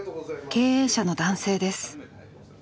経営者の男性です。